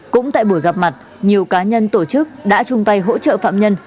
cũng tại buổi gặp mặt nhiều cá nhân tổ chức đã chung tay hỗ trợ phạm nhân